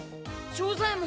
庄左ヱ門。